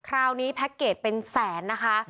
คราวนี้เป็นแสนนะคะ